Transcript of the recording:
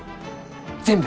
全部。